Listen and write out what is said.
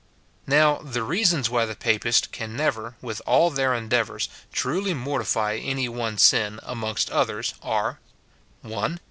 Now, the reasons why the Papists can never, with all their endeavours, truly mortify any one sin, amongst others, are, — (1.)